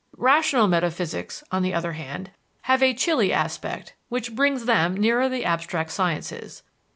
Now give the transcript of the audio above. Rational metaphysics, on the other hand, have a chilly aspect, which brings them nearer the abstract sciences.